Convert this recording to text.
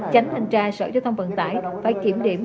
tránh thanh tra sở giao thông vận tải phải kiểm điểm